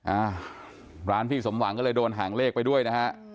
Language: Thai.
อ่าร้านพี่สมหวังก็เลยโดนหางเลขไปด้วยนะฮะ